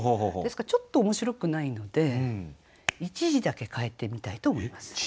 ですからちょっと面白くないので１字だけ変えてみたいと思います。